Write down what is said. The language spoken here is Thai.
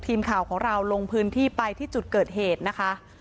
ทีมข่าวของเราลงพื้นที่ไปที่จุดเกิดเหตุนะคะ